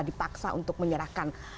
dipaksa untuk menyerahkan